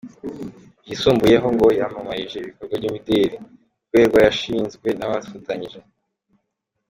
Byisumbuyeho ngo yamamarije ibikorwa by’imideli. Ikorerwa Yashinzwe na afatanyije.